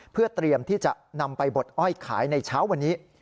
เพื่อเตรียมที่จะนำไปบดอ้อยขายในเช้าวันนี้